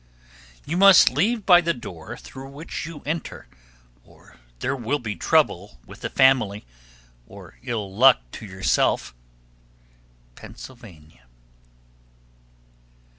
You must leave by the door through which you enter, or there will be trouble with the family, or ill luck to yourself. _Pennsylvania.